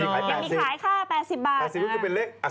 กับตลาดอ้อ